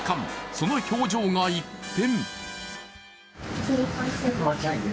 その表情が一変。